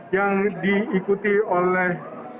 yang diikuti oleh